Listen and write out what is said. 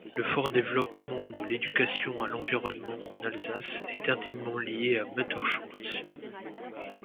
Le fort développement de l’éducation à l’environnement en Alsace est intimement lié à Muttersholtz.